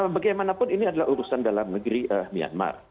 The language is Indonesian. bagaimanapun ini adalah urusan dalam negeri myanmar